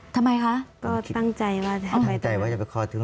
ทำไมคะก็ตั้งใจว่าจะไปคลอดที่โรงพยาบาลที่๒